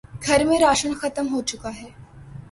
گھر میں راشن ختم ہو چکا ہے